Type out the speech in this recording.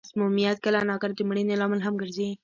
مسمومیت کله نا کله د مړینې لامل هم ګرځي.